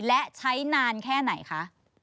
และใช้นานแค่ไหนคะ